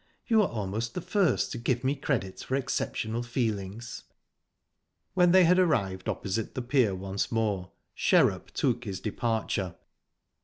You are almost the first to give me credit for exceptional feelings." When they had arrived opposite the pier once more, Sherrup took his departure.